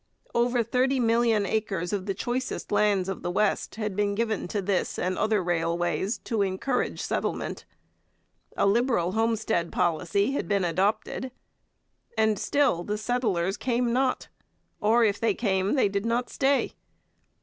Over thirty million acres of the choicest lands of the West had been given to this and other railways to encourage settlement. A liberal homestead policy had been adopted. And still the settlers came not, or if they came they did not stay.